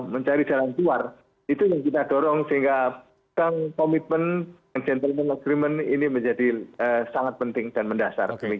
mencari jalan keluar itu yang kita dorong sehingga komitmen agreement ini menjadi sangat penting dan mendasar